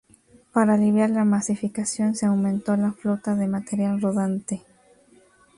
Para aliviar la masificación se aumentó la flota de material rodante.